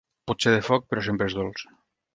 Pot ser de foc, però sempre és dolç.